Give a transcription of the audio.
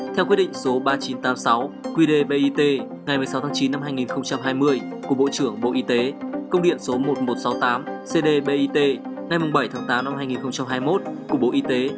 theo quyết định số ba nghìn chín trăm tám mươi sáu qdbit ngày một mươi sáu tháng chín năm hai nghìn hai mươi của bộ trưởng bộ y tế công điện số một nghìn một trăm sáu mươi tám cdbit ngày bảy tháng tám năm hai nghìn hai mươi một của bộ y tế